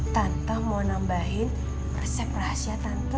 tante mau nambahin resep rahasia tante